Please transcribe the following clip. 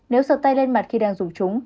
nếu sợ tay lên mặt khi đang dùng chúng